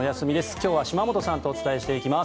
今日は島本さんとお伝えしていきます。